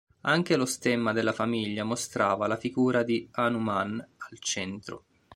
Anche lo stemma della famiglia mostrava la figura di Hanuman al centro.